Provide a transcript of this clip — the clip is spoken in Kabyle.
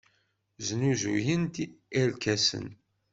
Snuzuyent irkasen.